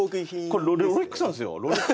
これロレックスなんですよ